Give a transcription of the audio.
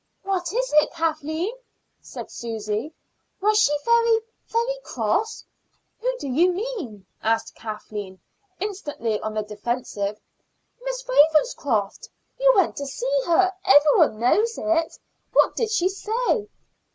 "What is it, Kathleen?" said Susy. "Was she very, very cross?" "Who do you mean?" asked Kathleen, instantly on the defensive. "Miss Ravenscroft. You went to see her; every one knows it. What did she say?"